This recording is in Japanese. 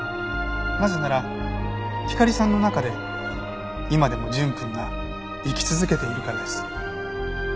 なぜならひかりさんの中で今でも純くんが生き続けているからです。